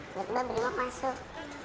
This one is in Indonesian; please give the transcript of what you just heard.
berubah bermuk masuk